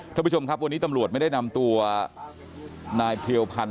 ท่านผู้ชมครับวันนี้ตำรวจไม่ได้นำตัวนายเพียวพันธ